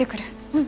うん。